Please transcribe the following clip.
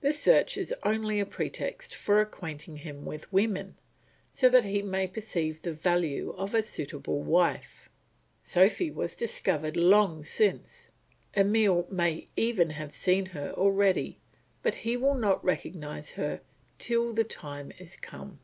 This search is only a pretext for acquainting him with women, so that he may perceive the value of a suitable wife. Sophy was discovered long since; Emile may even have seen her already, but he will not recognise her till the time is come.